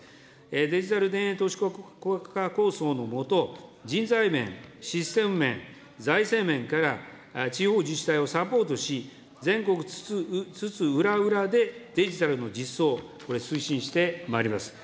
デジタル田園都市国家構想のもと、人材面、システム面、財政面から、地方自治体をサポートし、全国津々浦々でデジタルの実装、これ、推進してまいります。